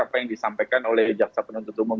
apa yang disampaikan oleh jaksa penuntut umum